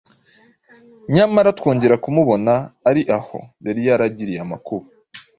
nyamara twongera kumubona ari aho yari yaragiriye amakuba.